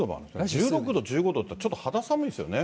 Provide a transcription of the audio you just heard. １６度、１５度っていったら、ちょっと肌寒いですよね。